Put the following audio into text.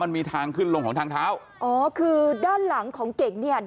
มันมีทางขึ้นลงของทางเท้าอ๋อคือด้านหลังของเก่งเนี่ย